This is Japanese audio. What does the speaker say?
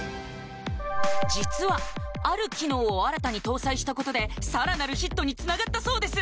実はある機能を新たに搭載したことでさらなるヒットにつながったそうです